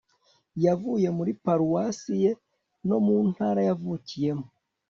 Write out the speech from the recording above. yavuye muri paruwasi ye no mu ntara yavukiyemo